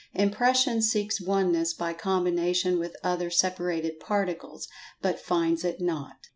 Impression seeks Oneness by combination with other separated Particles, but finds it not.